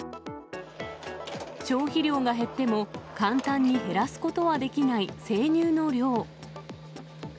消費量が減っても、簡単に減らすことはできない生乳の量。